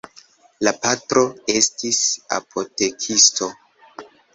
La patro estis apotekisto.